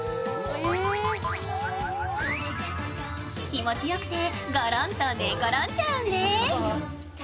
気持ちよくて、ゴロンと寝転んじゃうんです。